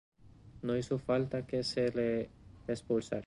No hizo falta que se le expulsara.